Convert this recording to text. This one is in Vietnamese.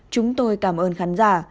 chúng tôi cảm ơn khán giả